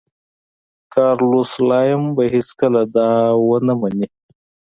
کارلوس سلایم به هېڅکله دا ونه مني.